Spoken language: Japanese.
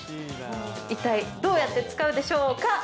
一体どうやって使うでしょうか。